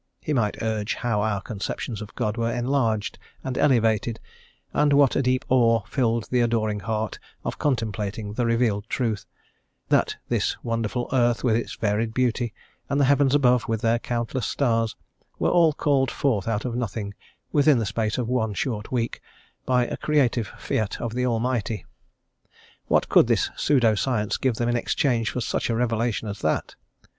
He might urge how our conceptions of God were enlarged and elevated, and what a deep awe filled the adoring heart on contemplating the revealed truth, that this wonderful earth with its varied beauty, and the heavens above with their countless stars, were all called forth out of nothing within the space of one short week by the creative fiat of the Almighty. What could this pseudo science give them in exchange for such a revelation as that?